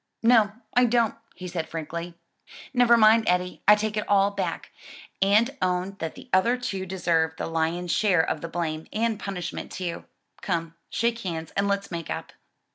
"No, I don't," he said frankly. "Never mind, Eddie, I take it all back, and own that the other two deserve the lion's share of the blame, and punishment too. Come, shake hands and let's make up."